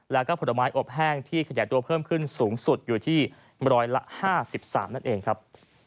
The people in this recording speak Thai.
แล้วก็ผลไม้อบแห้งที่ขยายตัวเพิ่มขึ้นสูงสุดอยู่ที่๑๕๓นั่นเองครับ